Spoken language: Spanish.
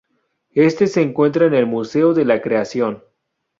Este se encuentra en el Museo de la Creación.